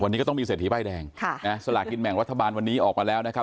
วันนี้ก็ต้องมีเศรษฐีป้ายแดงค่ะนะสลากินแบ่งรัฐบาลวันนี้ออกมาแล้วนะครับ